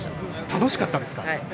楽しかったですか。